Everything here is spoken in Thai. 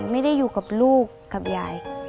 ไม่ได้อยู่กับลูกกับยาย